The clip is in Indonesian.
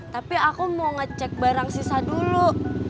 tapi aku mau ngecek barang sisa dulu